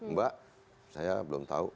mbak saya belum tahu